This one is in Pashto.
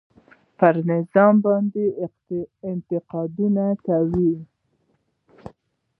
پر نظام باندې انتقادونه کوي.